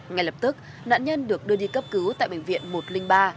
ngay lập tức nạn nhân được đưa đi cấp cứu tại bệnh viện một trăm linh ba